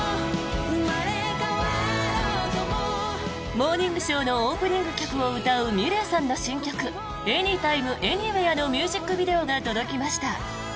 「モーニングショー」のオープニング曲を歌うｍｉｌｅｔさんの新曲「ＡｎｙｔｉｍｅＡｎｙｗｈｅｒｅ」のミュージックビデオが届きました。